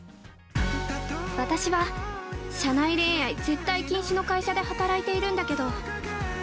◆私は社内恋愛絶対禁止の会社で働いているんだけど◆